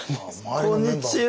こんにちは！